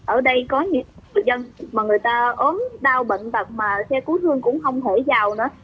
ở đây có những người dân mà người ta ốm đau bệnh bật mà xe cứu thương cũng không thể vào nữa